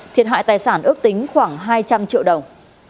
thiệt hại tài sản ước tính khoảng hai trăm linh triệu đồng